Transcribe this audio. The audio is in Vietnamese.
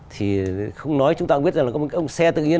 thì không nói chúng ta cũng biết là có một cái xe tự nhiên